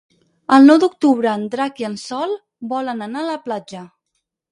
El nou d'octubre en Drac i en Sol volen anar a la platja.